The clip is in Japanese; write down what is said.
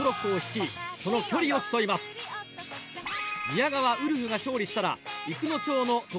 宮川ウルフが勝利したら。